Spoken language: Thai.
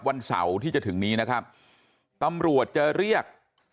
วันเสาร์ที่จะถึงนี้นะครับตำรวจจะเรียก